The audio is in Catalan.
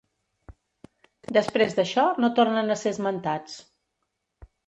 Després d'això no tornen a ser esmentats.